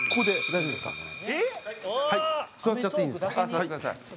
座ってください。